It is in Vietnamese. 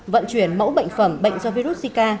vận chuyển mẫu bệnh phẩm bệnh do virus zika